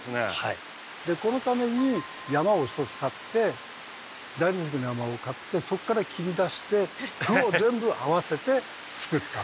このために山を１つ買って大理石の山を買ってそこから切り出して色を全部合わせて作った。